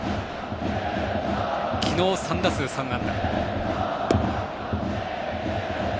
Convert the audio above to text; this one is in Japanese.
昨日３打数３安打。